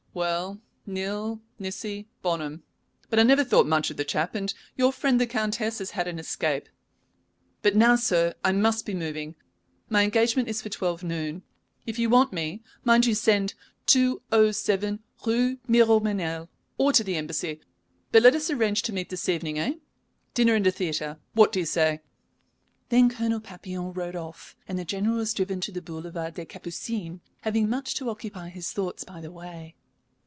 Well, nil nisi bonum, but I never thought much of the chap, and your friend the Countess has had an escape. But now, sir, I must be moving. My engagement is for twelve noon. If you want me, mind you send 207 Rue Miromesnil, or to the Embassy; but let us arrange to meet this evening, eh? Dinner and a theatre what do you say?" Then Colonel Papillon rode off, and the General was driven to the Boulevard des Capucines, having much to occupy his thoughts by the way.